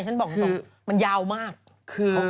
ฉันบอกตรงมันยาวมากคือ